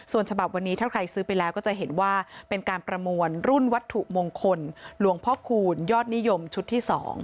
ส่วนฉบับวันนี้ถ้าใครซื้อไปแล้วก็จะเห็นว่าเป็นการประมวลรุ่นวัตถุมงคลหลวงพ่อคูณยอดนิยมชุดที่๒